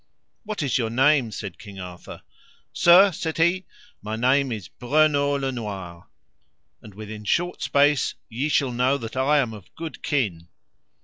What is your name? said King Arthur. Sir, said he, my name is Breunor le Noire, and within short space ye shall know that I am of good kin.